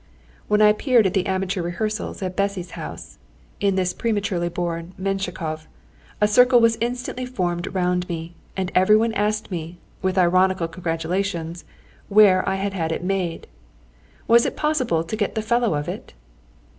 When I appeared at the amateur rehearsals at Bessy's house in this prematurely born Menshikov, a circle was instantly formed round me, and every one asked me, with ironical congratulations, where I had had it made. Was it possible to get the fellow of it?